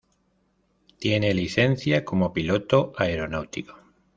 Tiene licencia como piloto aeronáutico.